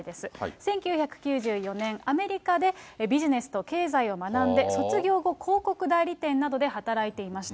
１９９４年、アメリカでビジネスと経済を学んで、卒業後、広告代理店などで働いていました。